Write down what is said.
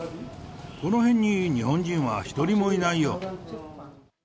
この辺に日本人は一人もいないよ。